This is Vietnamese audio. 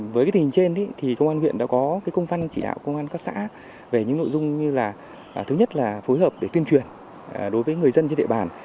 với tình hình trên công an huyện đã có công phân chỉ đạo công an các xã về những nội dung như là thứ nhất là phối hợp để tuyên truyền đối với người dân trên địa bàn